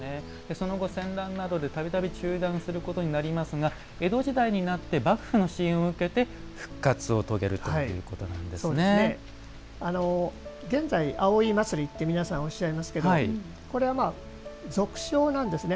その後、戦乱などでたびたび中断することになりますが江戸時代になって幕府の支援を受けて復活を遂げる現在、葵祭って皆さんおっしゃいますけどこれは俗称なんですね。